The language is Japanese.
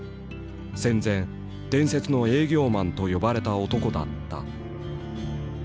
戦前伝説の営業マンと呼ばれた男だった。